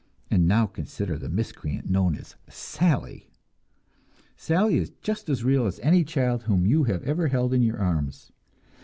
And now consider the miscreant known as "Sally." Sally is just as real as any child whom you ever held in your arms.